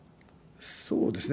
そうですね。